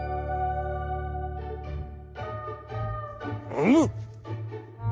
「うむ」。